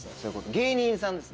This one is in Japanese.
芸人さんですね？